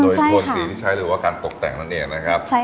โดยโทนสีที่ใช้หรือว่าการตกแต่งนั่นเองนะครับ